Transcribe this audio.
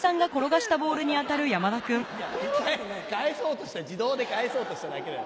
いや返そうとした自動で返そうとしただけだよ。